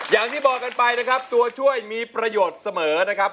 อย่างที่บอกกันไปนะครับตัวช่วยมีประโยชน์เสมอนะครับ